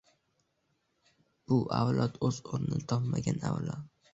«Bu avlod o‘z o‘rnini topmagan avlod.